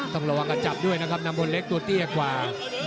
ต้องระวังกระจับด้วยนะครับน้ำพลเล็กตัวเตี้ยกว่า